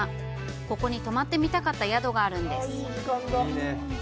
ここに泊まってみたかった宿があるんです。